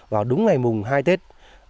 vào đúng ngày mùng hai tết